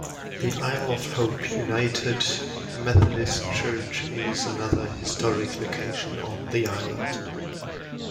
The Isle of Hope United Methodist Church is another historic location on the island.